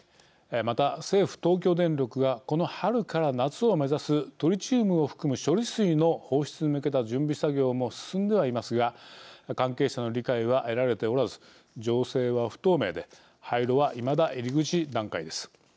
また、政府・東京電力がこの春から夏を目指すトリチウムを含む処理水の放出に向けた準備作業も進んではいますが関係者の理解は得られておらず情勢は不透明で廃炉は、いまだ入り口段階です。